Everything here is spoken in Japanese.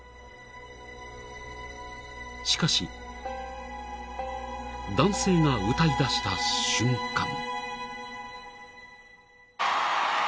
［しかし男性が歌いだした瞬間］